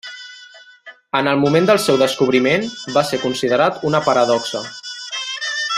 En el moment del seu descobriment, va ser considerat una paradoxa.